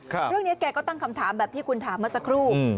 เรื่องนี้แกก็ตั้งคำถามแบบที่คุณถามมาสักครู่